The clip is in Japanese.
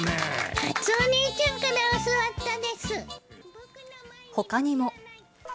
カツオ兄ちゃんから教わったほかにも。